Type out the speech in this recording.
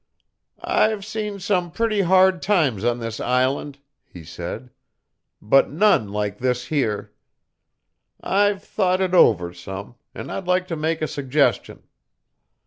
"I've seen some pretty hard times on this island," he said, "but none like this here. I've thought it over some, and I'd like to make a suggestion.